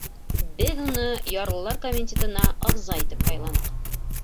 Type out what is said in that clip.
— Беҙ уны ярлылар комитетына ағза итеп һайланыҡ.